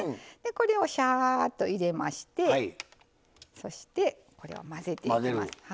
これをしゃっと入れましてそしてこれを混ぜていきます。